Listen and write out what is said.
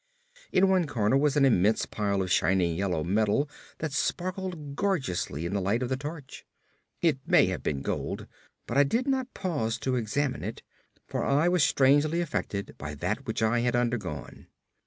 In one corner was an immense pile of a shining yellow metal that sparkled gorgeously in the light of the torch. It may have been gold, but I did not pause to examine it, for I was strangely affected by that which I had undergone.